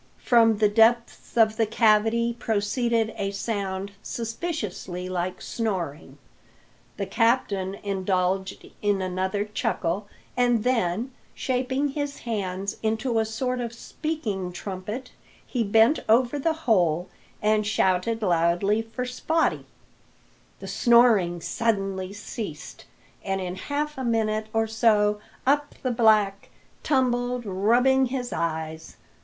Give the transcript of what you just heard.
From the depths of the cavity proceeded a sound suspiciously like snoring. The captain indulged in another chuckle, and then, shaping his hands into a sort of speaking trumpet, he bent over the hole and shouted loudly for Spottie. The snoring suddenly ceased, and in half a minute or so up the black tumbled, rubbing his eyes.